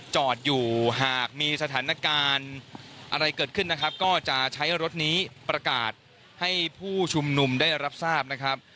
จอดอยู่หากมีสถานการณ์อะไรเกิดขึ้นนะครับก็จะใช้รถนี้ประกาศให้ผู้ชุมนุมได้รับทราบนะครับ